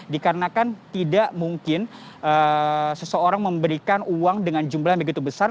dikarenakan tidak mungkin seseorang memberikan uang dengan jumlah yang begitu besar